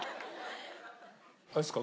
あれですか？